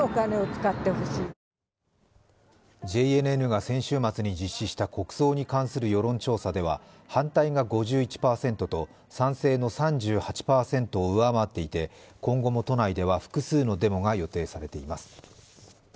ＪＮＮが先週末に実施した国葬に関する世論調査では、反対が５１％と賛成の３８％を上回っていて今後も都内では複数のデモが予定されています。